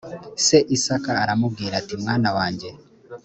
se isaka aramubwira ati mwana wanjye